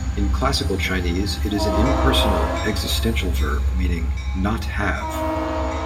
In Classical Chinese, it is an impersonal existential verb meaning "not have".